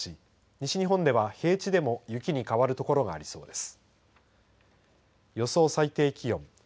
西日本では平地でも雪に変わる所がありそうです。